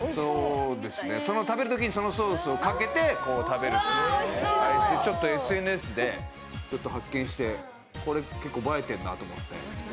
その食べるときにそのソースをかけて食べるというちょっとＳＮＳで発見して、これ結構映えてるなと思って。